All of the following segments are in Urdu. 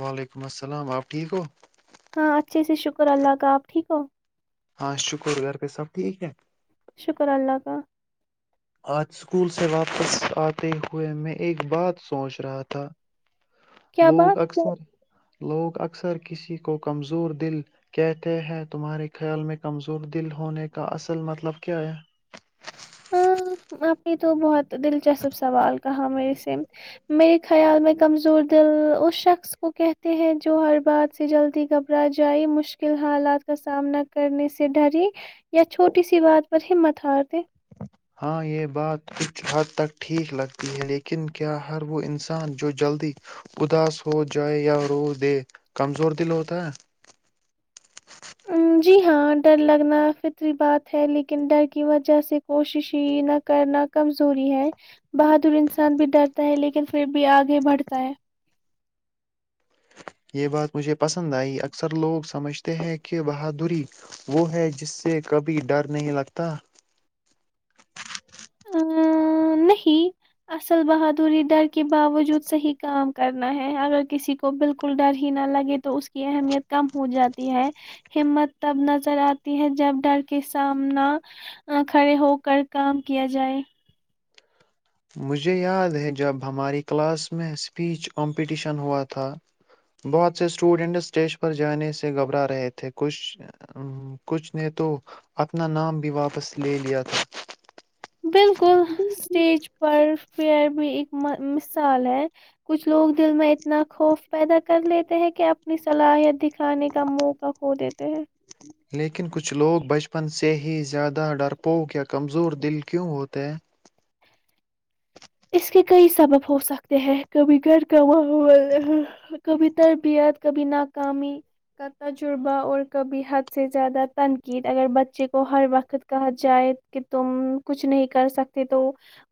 وعلیکم السلام آپ ٹھیک ہو ہاں اچھے سے شکر اللہ کا آپ ٹھیک ہو ہاں شکر گھر کا صاب ٹھیک کیا شکر اللہ کا آج اسکول سے واپس آتے ہوئے میں ایک بات سوچ رہا تھا کیا لوگ بات اکثر لوگ اکثر کسی کو کمزور دل کہتے ہیں تمہارے خیال میں کمزور دل ہونے کا اصل مطلب کیا ہے ہاں آپ بھی تو بہت دلچسپ سوال کہاں میںسے میرے خیال میں کمزور دل اس شخص کو کہتے ہیں جو ہر بات سے جلدی گھبرا جائے مشکل حالات کا سامنا کرنے سے ڈری یا چھوٹی سی بات پر ہمت ہار دیں ہاں یہ بات کچھ حد تک ٹھیک لگتی ہے لیکن کیا ہر وہ انسان جو جلدی اداس ہو جائے یا رو دے کمزور دل ہوتا ہے ام، جی ہاں ڈر لگنا فطری بات ہے لیکن ڈر کی وجہ سے کوشش ہی نہ کرنا کمزوری ہے بہادر انسان بھی ڈرتا ہے لیکن ن پھر بھی آگے بڑھتا ہے یہ بات مجھے پسند آئی، اکثر لوگ سمجھتے ہیں کہ بہادری وہ ہے جس سے کبھی ڈر نہیں لگتا ا نہیں اصل بہادری ڈر کے باوجود صحیح کام کرنا ہے اگر کسی کو بالکل ڈر ہی نہ لگے تو اس کی اہمیت کم ہو جاتی ہے ہمت تب نظر آتی ہے جب ڈر کے سامنا کھڑے ہو کر کام کیا جائے مجھے یاد ہے جب ہماری کلاس میں اسپیچ کمپٹیشن ہوا تھا بہت سے اسٹوڈینٹ اسٹیج پر جانے سے گھبرا رہے تھے کچھ کچھ نے تو اپنا نام بھی واپس لے لیا تھا بالکل اسٹیج پر فئر بھی ایکک مثال ہے کچھ لوگ دل میں اتنا خوف پیدا کر لیتے ہیں کہ اپنی صلاحیت دکھ کھانے کا موقع ہو دیتا تو لیکن کچھ لوگ بچپن سے ہی زیادہ ڈرپوک یا کمزور دل کیوں ہوتے ہیں اس کے کئی سبب ہو سکتے ہیں کبھی گ کاں بول کبھی تربیت کبھی ناکامی کا تجربہ اور کبھی حد سے زیادہ تنقید اگر بچے کو ہر وقت کہا جائے کہ تم کچھ نہیں کر سکتے تو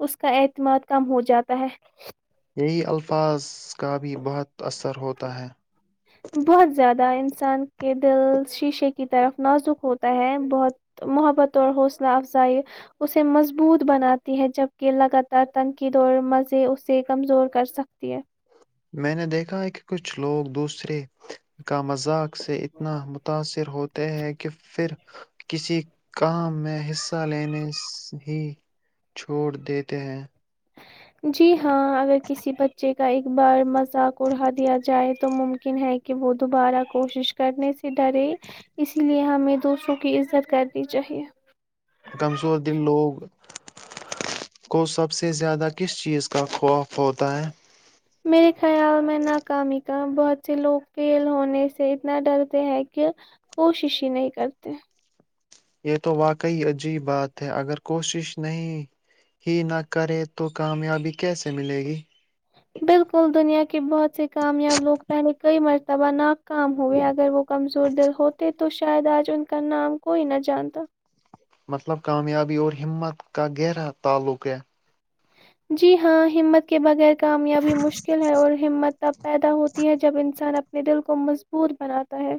اس کا اعتماد کم ہو جاتا ہے یہی الفاظ کا بھی بہت اثر ہوتا ہے بہت زیادہ انسان کے دل شیشے کی طرف نازک ہوتا ہے بہت محبت اور حوصلہ افزائی اسے مضبوط بناتی ہے جبکہ لگاتار تنقید اور مزے اسے کمزور کر سکتی ہے میں نے دیکھا ہے کہ کچھ لوگ دوسرے کا مذاق سے اتنا متاثر ہوتے ہیں کہ پھر کسی کام میں حصہ لینے ہی چھوڑ دیتے ہیں جی ہاں اگر کسی بچے کا ایک بار مذاق اڑا دیا جائے تو ممکن ہے کہ وہ دوبارہ کوشش کرنے سے ڈرے اس لیے ہمیں دوسروں کی عزت کرنی چاہیے کمزور دل لوگ کو سب سب سے زیادہ کس چیز کا وہ پتا ہے میرے خیال میں ناکامی کا بہت سے لوگ کیل ہونے سے اتنا ڈرتے ہیں کہ کوشش ہی نہیں کرتے یہ تو واقعی عجیب بات ہے اگر کوشش نہیں ہی نہ کرے تو کامیابی کیسے ملے گی بالکل دنیا کے کہ بہت سے کامیاب لوگ پہلے کئی مرتبہ نہ کام ہوئے اگر وہ کمزور درد ہوتے تو شاید آج ان کا نام کوئی نہ جانتا مطلب کامیابی اور ہمت کا گہرا تعلق ہے جی ہاں ہمت کے بغیر کامیابی مشکل ہے اور ہمت اب پیدا ہوتی ہے جب انسان اپنے اپ دل کو مضبوط بناتا ہے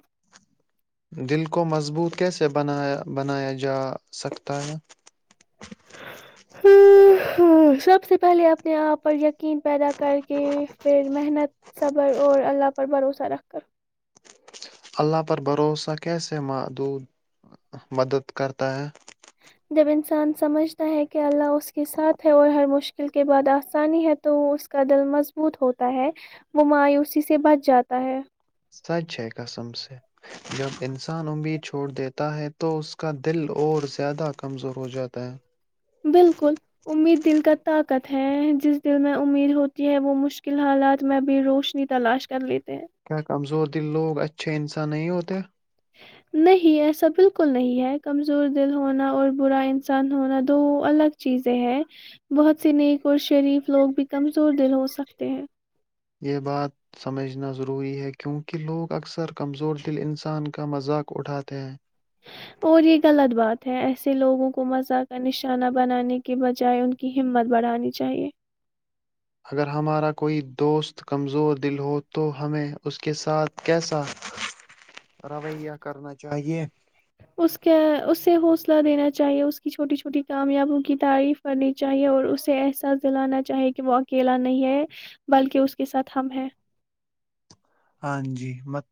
دل کو مضبوط کیسے بنایا جا سکتا ہے ہ ہ سب سے پہلے اپنے یہاں پر یک کین پیدا کر کے پھر محنت صبر اور اللہ پر بھروسہ رکھ کر اللہ پر بھروسہ کیسے معدود مدد کرتا ہے جب انسان سمجھتا ہے کہ اللہ اس کے ساتھ ہے اور ہر مشکل کے بعد آسانی ہے تو وہ اس کا دل مضبوط ہوتا ہے وہ مایوسی سے بچ جاتا ہے سچ ہے قسم سے جب انسان اد چھوڑ دیتا ہے تو اس کا دل اور زیادہ کمزور ہو جاتا ہے بالکل امید دل کا طاقت ہے جس دل میں امید ہوتی ہے وہ مشکل حالات میں بھی روشنی تلاش کر لیتے ہیں کیا کمزور دل لوگ اچھے انسان نہیں ہوتے نہیں ایسا بالکل نہیں ہے کمزور دل ہونا اور برا انسان ہونا دو الگ چیزیں ہے بہت سی نیک اور شریف لوگ بھی کمزور دل ہو سکتے ہیں یہ بات سمجھنا ضروری ہے کیونکہ لوگ اکثر کمزور دل انسان کا مذاق اٹھاتے ہیں اور یہ غلط بات ہے ایسے لوگوں کو مزہ کا نشانہ بنانے کے بجائے ان کی ہمت بڑھانی چاہیئے اگر ہمارا کوئی دوست کمزور دل ہو تو ہمیں اس کے ساتھ کیسا رویہ کرنا چاہیے اس کے اس سے حوصلہ دینا چاہیے اس کی چھوٹی چھوٹی کامیابوں کی تعریف کرنی چاہیے اور اسے ایسا دلانا چاہے کہ وہ اکیلا نہیں ہے بلکہ اس کے ساتھ ہم ہیں ہاں جی مت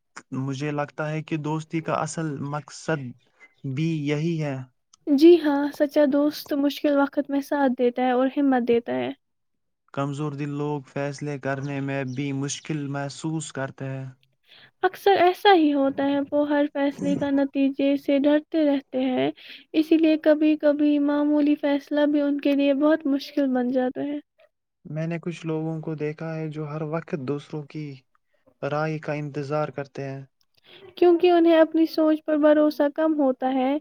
مجھے لگتا ہے کہ کہ دوستی کا اصل مک مقصد بھی یہی ہے جی ہاں سچا دوست مشکل وقت میں ساتھ دیتا ہے اور ہمت دیتا ہے کمزور د لوگ فیصلے کرنے میں بھی مشکل محسوس کرتے ہیں اکثر ایس ا ہی ہوتا ہے وہ ہر فیصلے کا نتیجے ڈرتے رہتے ہیں اسی لیے کبھی کبھی معمولی فیصلہ بھی ان کے لیے بہت مشکل بن جاتا ہے میں نے کچھ لوگوں کو دیکھا ہے جو ہر وقت دوسروں کی رائے کا انتظار کرتے ہیں کیونکہ انہیں اپنی سوچ پر بھروسہ کم ہوتا ہے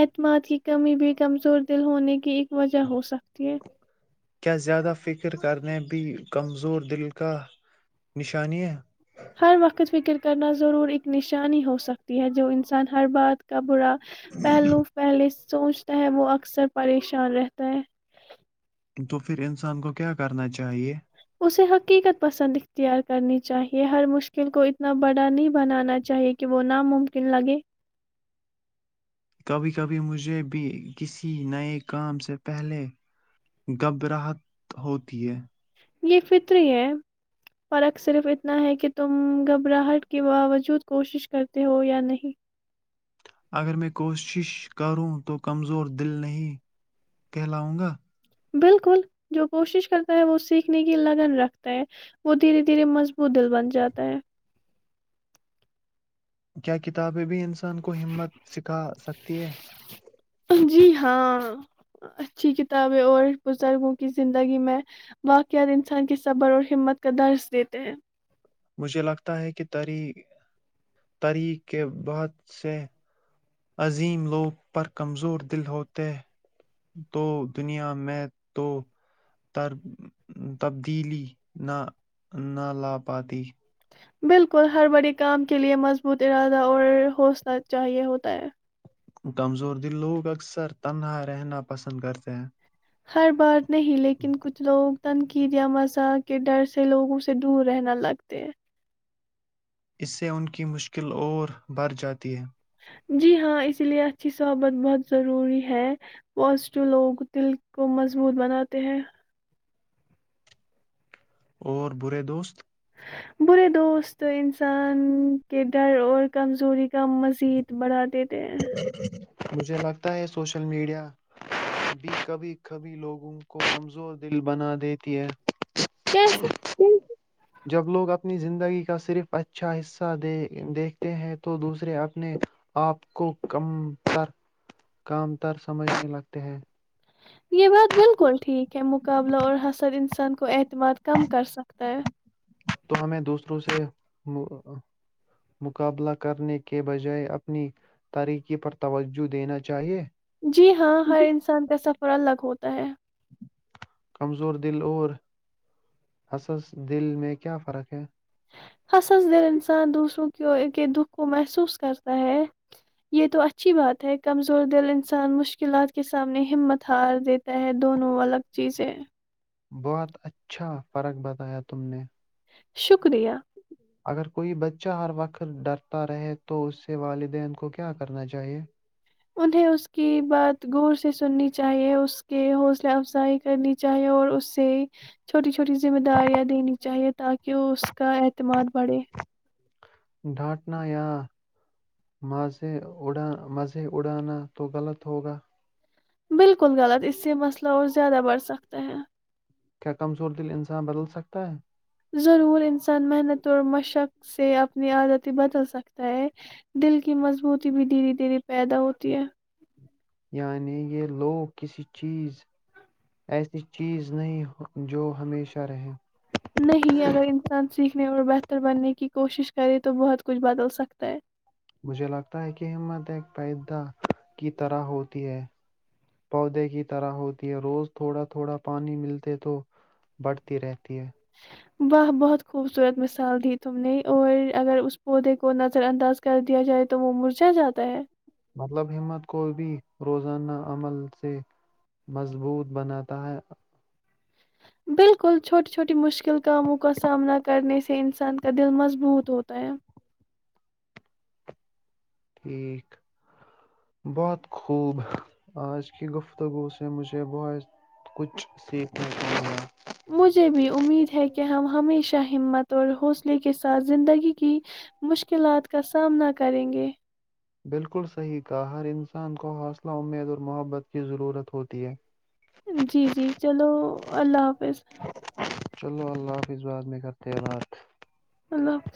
اعتماد کی کمی بھی کمزور دل ہونے کی وجہ ہو سکتی ہے کیا زیادہ فکر کرنے بھی کمزور دل کی نشانی ہے؟ ہر وقت فکر کرنا ضرور ایک نشانی ہو سکتی ہے جو انسان ہر بات کا برا پہلو پہلس سوچتا ہے وہ اکثر پریشان رہتا ہے تو پھر انسان کو کیا کرنا چاہیے [unintelligible] کبھی کبھی مجھے بھی کسی نئے کام سے پہلے گبراہت ہوتی ہے یہ فطر ہے فرق صرف اتنا ہے کہ تم گھبراہٹ کے باوجود کوشش کرتے ہو یا نہیں اگر میں کوشش کروں تو کمزور دل نہیں کہلاؤں گا بالکل جو کوشش کرتا ہے وہ سیکھنے کی لگن رکھتا ہے وہ دھیرے دھیرے مضبوط دل بن جاتا ہے کیا کتابیں بھی ان سے کو ہمت سکھا سکتی ہے جی ہاں اچھی کتابیں اور بزرگوں کی زندگی میں واقعات انسان کے صبر اور ہمت کا درس دیتے ہیں مجھے لگتا ہے کہ تاریخ کے بہت سے عظیم لوگ پر کمزور دل ہوتے تو دنیا میں تو تبدیلی نہ نہ لا پاتی بالکل ہر بڑے کام کے لیے مضبوط ارادہ اور حوصلہ چاہیے ہوتا ہے کمزور دل لوگ اکثر تنہا رہنا پسند کرتے ہیں ہر بات نہیں لیکن کچھ لوگ تنقید یا مزاخ کے ڈر سے لوگوں سے دور رہنا لگتے ہیں اس سے ان کی مشکل اور بڑھ جاتی ہے جی ہاں اسی لیے اچھی صحبت بہت ضروری ہے پوازٹو لوگ دل کو مضبوط بناتے ہیں اور برے دوست برے دوست انسان کے ڈر اور کمزوری کا مزید بڑھا دیتے ہیں [unintelligible] مجھے لگتا ہے سوشل میڈیا بھی کبھی کبھی لوگوں کو کمزور دل بنا دیتی ہے کیسے جب لوگ اپ اپنی زندگی کا صرف اچھا حصہ دیکھتے ہیں تو دوسرے اپنے آپ کو کم تر کم تر سمجھنے لگتے ہیں یہ بات بالکل ٹھیک ہے مقابلہ اور حسد انسان کو اعتماد کم کر سکتا ہے تو ہمیں دوسروں سے مقابلہ کرنے کے بجائے اپنی تاریکی پر توجہ دینا چاہیے جی ہاں ہر انسان کا سفر الگ ہوتا ہے کمزور دل اور حصص دل میں کیا فرق ہے حصص دل انسان دوسروں کی کے دکھ کو محسوس کرتا ہے یہ تو اچھی بات ہے کمزور دل انسان مشکلات کے سامنے ہمت ہار دیتا ہے دونوں الگ چیزیں بہت اچھا فرق بتایا تم نے شکر اگر کوئی بچہ ہر وقت ڈرتا رہے تو اس سے والدین کو کیا کرنا چاہیے انہیں اس کی بات گور سے سے سننی چاہیے اس کے حوصلہ افزائی کرنی چاہیے اور اسے چھوٹی چھوٹی ذمہ داریاں دینی چاہیے تاکہ وہ اس کا اعتماد بڑھے ڈھانٹنا یا مزے اڑانا تو غلط ہوگا بالکل الکل غلط اس سے مسئلہ اور زیادہ بڑھ سکتے ہیں کیا کمزور دل انسان بدل سکتا ہے ضرور انسان محنت اور مشق سے اپنی آادتی بدل سکتا ہے دل کی مضبوطی بھی دھیرے دھیرے پیدا ہوتی ہے یعنی یہ لوگ کسی چیز ایسی چیز نہیں جو ہمیشہ رہیں نہیں اگر انسان سیکھنے اور بیس بہتر بننے کی کوشش کرے تو بہت کچھ بدل سکتا ہے مجھے لگتا ہے کہ ہمت ایک پیدا کی طرح ہوتی ہے پودے کی طرح ہوتی ہے روز تھوڑا تھوڑا پانی ملتے تو بڑھتی رہتی ہے واہ بہت خوبصورت مثال دی تم نے اور اگر اس پودے کو نظر انداز کر دیا جائے تو وہ مرجا جاتا ہے مطلب ہمت کو بھی روزانہ عمل سے مضبوط بناتا ہے بالکل چھوٹی چھوٹی مشکل کاموں کا سامنا کرنے سے انسان کا دل مضبوط ہوتا ہے ٹھیک بہت خوب آج کی گفتگو سے مجھے بہت کچھ سیکھنا چاہ مجھے بھی امید ہے کہ ہم ہمیشہ ہمت اور حوصلے کے ساتھ زندگی کی مشکلات کا سامنا کریں گے [inaudible] جی جی چلو اللہ حافظ بس [unintelligible] چلو اللہ حافظ بات میں کر تعینات اللو